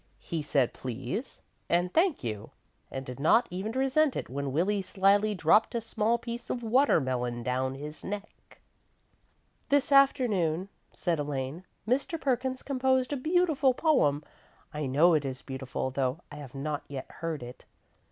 He said "please" and "thank you," and did not even resent it when Willie slyly dropped a small piece of watermelon down his neck. "This afternoon," said Elaine, "Mr. Perkins composed a beautiful poem. I know it is beautiful, though I have not yet heard it.